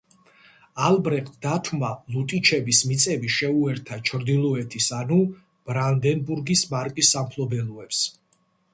ალბრეხტ დათვმა ლუტიჩების მიწები შეუერთა ჩრდილოეთის ანუ ბრანდენბურგის მარკის სამფლობელოებს.